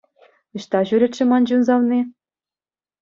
Ӑҫта ҫӳрет-ши ман чун савни?